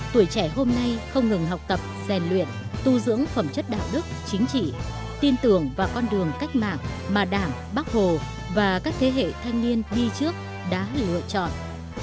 tuổi trẻ hôm nay không ngừng học tập rèn luyện tu dưỡng phẩm chất đạo đức chính trị tin tưởng vào con đường cách mạng mà đảng bác hồ và các thế hệ thanh niên đi trước đã lựa chọn